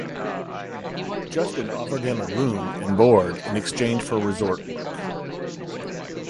Justine offered him room and board in exchange for resort work.